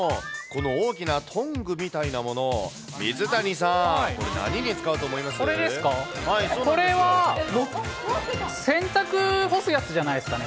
この大きなトングみたいなもの、水谷さん、これ、これですか？